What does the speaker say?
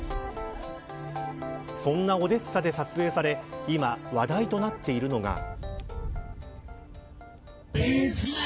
そんなオデッサで撮影され今話題となっているのが。